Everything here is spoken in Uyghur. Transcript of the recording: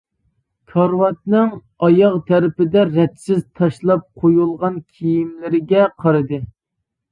كارىۋاتنىڭ ئاياغ تەرىپىدە رەتسىز تاشلاپ قويۇلغان كىيىملىرىگە قارىدى.